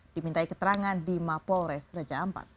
dimintai keterangan di mapol res raja ampat